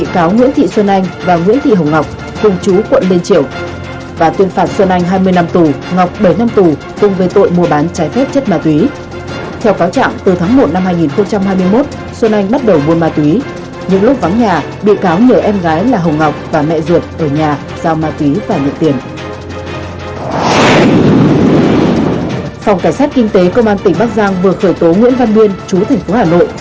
cơ quan cảnh sát kinh tế công an tỉnh bắc giang vừa khởi tố nguyễn văn biên chú thành phố hà nội